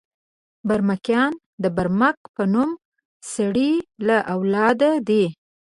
برمکیان د برمک په نوم سړي له اولاده دي.